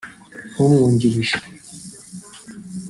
umwungirije